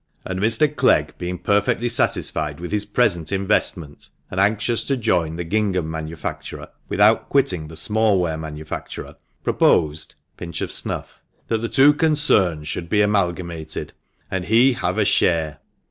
"And Mr. Clegg being perfectly satisfied with his present investment, and anxious to join the gingham manufacturer without quitting the smallware manufacturer, proposed "—pinch of snuff— "that the two concerns should be amalgamated, and he have a share.